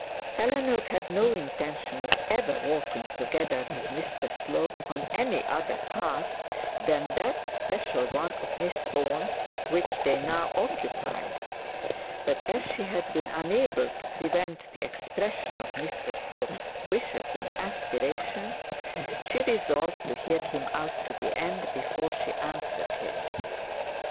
Eleanor had no intention of ever walking together with Mr Slope on any other path than the special one of Miss Thorne's which they now occupied; but as she had been unable to prevent the expression of Mr Slope's wishes and aspirations, she resolved to hear him out to the end, before she answered him.